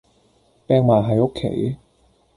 柄埋喺屋企